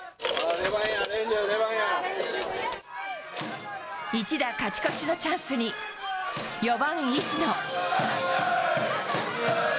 出番や、一打勝ち越しのチャンスに、４番石野。